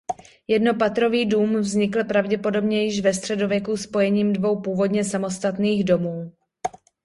Jednopatrový dům vznikl pravděpodobně již ve středověku spojením dvou původně samostatných domů.